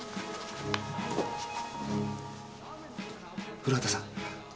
古畑さん。